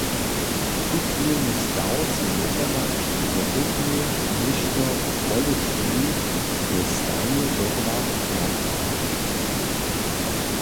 Tuchwilny staw sej wobhladać, zo bychmy něšto polěpšili, je stajnje dobra naprawa!